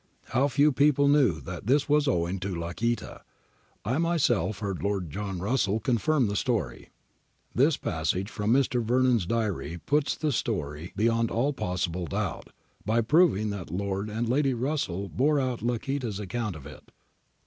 How few people knew that this was owing to Lacaita, I myself heard Lord Russell confirm this story.' This passage from Mr. Vernon's diary puts the story {q.v.y pp. 103 109 above) beyond all possible doubt, by proving that Lord and Lady Russell bore out Lacaita's account of it.